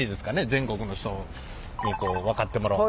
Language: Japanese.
全国の人に分かってもらう。